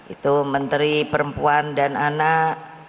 itu menteri perempuan dan anak